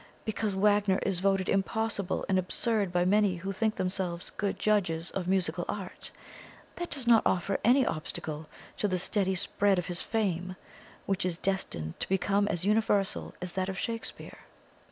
Because Wagner is voted impossible and absurd by many who think themselves good judges of musical art, that does not offer any obstacle to the steady spread of his fame, which is destined to become as universal as that of Shakespeare.